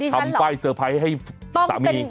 ทำป้ายเซอร์ไพรส์ให้สามี